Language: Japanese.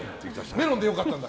メロンで良かったんだ。